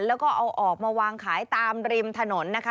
แล้วก็เอาออกมาวางขายตามริมถนนนะคะ